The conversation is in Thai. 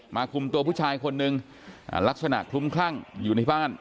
คุมตัวผู้ชายคนนึงลักษณะคลุ้มคลั่งอยู่ในบ้าน